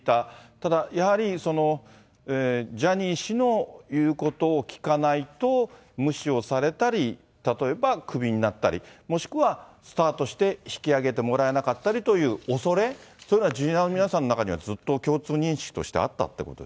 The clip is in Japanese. ただやはり、ジャニー氏の言うことをきかないと、無視をされたり、例えばくびになったり、もしくはスターとして引き上げてもらえなかったりというおそれ、そういうのがジュニアの皆さんの中にはずっと共通認識としてあっ